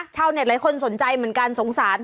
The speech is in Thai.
ชาวเน็ตหลายคนสนใจเหมือนกันสงสาร